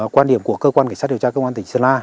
quan điểm của cơ quan cảnh sát điều tra công an tỉnh sơn la